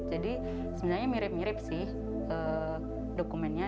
jadi sebenarnya mirip mirip sih dokumennya